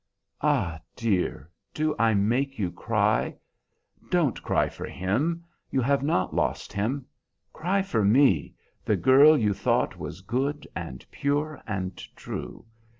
Ah, dear, do I make you cry? Don't cry for him; you have not lost him. Cry for me, the girl you thought was good and pure and true!